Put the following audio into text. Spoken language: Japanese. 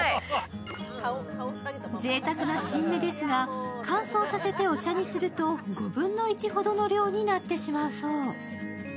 ぜいたくな新芽ですが乾燥させてお茶にすると５分の１ほどの量になってしまうそう。